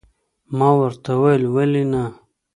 ما ورته وویل، ولې نه.